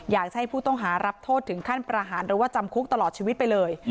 อยากให้ผู้ต้องหารับโทษถึงขั้นประหารหรือว่าจำคุกตลอดชีวิตไปเลย